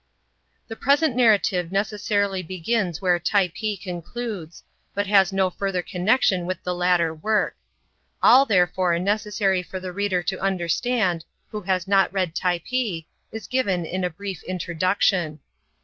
The present narrative necessarily begins where "Typee'' concludes, but has no further connection with the latter work. All, therefore, necessary for the reader to understand, who has not read " Typee," is given in a brief introduction.